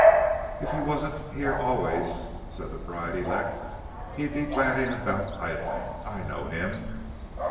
"If he wasn't here allays," said the bride elect, "he'd be gadding about idling. I know him.